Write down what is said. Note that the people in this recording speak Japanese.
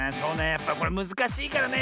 やっぱりこれむずかしいからね